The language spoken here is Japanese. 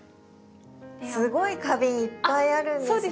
すごい花瓶いっぱいあるんですね。